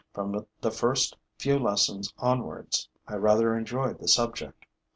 From the first few lessons onwards, I rather enjoyed the subject.